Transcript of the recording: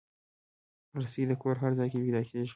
رسۍ د کور هر ځای کې پیدا کېږي.